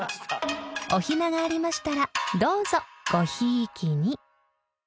［お暇がありましたらどうぞごひいきに］